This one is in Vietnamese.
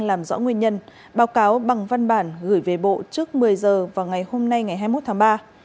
làm rõ nguyên nhân báo cáo bằng văn bản gửi về bộ trước một mươi h vào ngày hôm nay ngày hai mươi một tháng ba